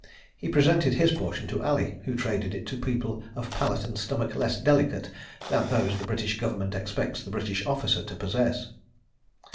He presented his portion to Ali, who traded it to people of palate and stomach less delicate than those the British Government expects the British officer to possess.